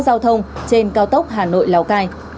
giao thông trên cao tốc hà nội lào cai